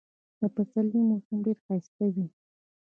د پسرلي موسم ډېر ښایسته وي.